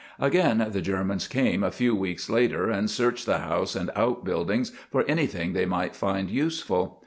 Again the Germans came a few weeks later and searched the house and outbuildings for anything they might find useful.